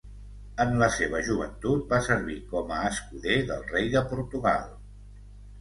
En la seva joventut va servir com a escuder del rei de Portugal.